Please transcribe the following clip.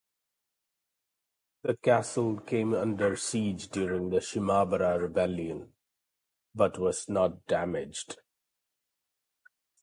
The castle came under siege during the Shimabara Rebellion, but was not damaged.